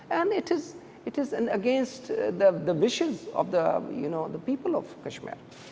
dan ini menentang harapan orang orang kashmir